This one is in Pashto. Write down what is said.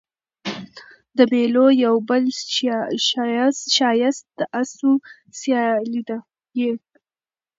د مېلو یو بل ښایست د آسو سیالي يي.